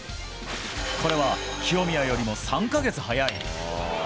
これは清宮よりも３か月早い。